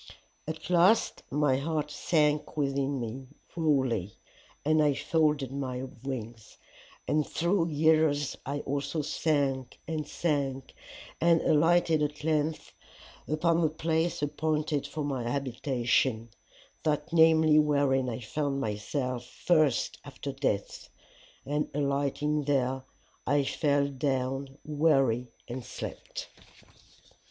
"'At last my heart sank within me wholly, and I folded my wings, and through years I also sank and sank, and alighted at length upon the place appointed for my habitation that namely wherein I found myself first after death. And alighting there, I fell down weary and slept.